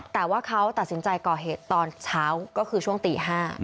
แต่ว่าเขาตัดสินใจก่อเหตุตอนเช้าก็คือช่วงตี๕